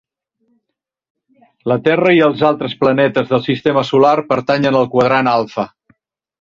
La Terra i els altres planetes del Sistema Solar pertanyen al Quadrant Alfa.